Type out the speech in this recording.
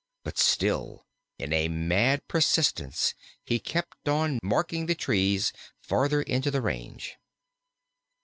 But still, in a mad persistence, he kept on marking the trees farther into the range.